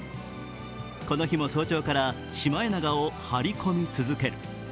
この日も早朝からシマエナガを張り込み続ける。